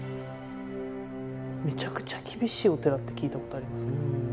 めちゃめちゃ厳しいお寺って聞いたことありますけど。